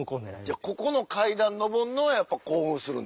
じゃあここの階段上んのはやっぱ興奮するんだ。